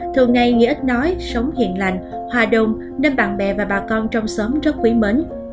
thường ngày như ít nói sống hiền lành hòa đồng nên bạn bè và bà con trong xóm rất quý mến